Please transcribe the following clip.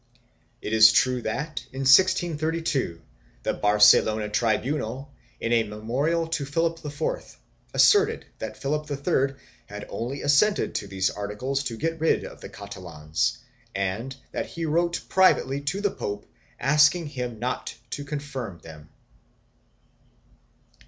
It is true that, in 1632, the Barcelona tribunal, in a memo rial to Philip IV, asserted that Philip III had only assented to these articles to get rid of the Catalans and that he wrote privately to the pope asking him not to confirm them.